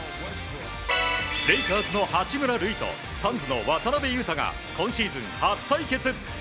レイカーズの八村塁とサンズの渡邊雄太が今シーズン初対決。